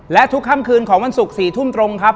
และทุกค่ำคืนของวันศุกร์๔ทุ่มตรงครับ